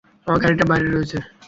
আমার গাড়িটা বাইরে রয়েছে।